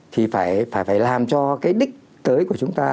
thì phải làm cho cái đích tới của chúng ta